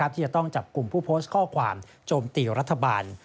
ที่จะต้องจับกลุ่มผู้โพสต์ข้อความโจมตีรัฐบาล